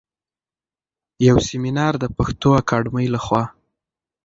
يو سمينار د پښتو اکاډمۍ لخوا